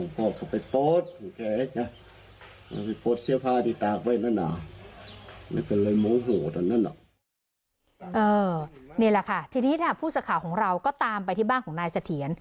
นี่แหละค่ะทีนี้ค่ะผู้สื่อข่าวของเราก็ตามไปที่บ้านของนายเสถียร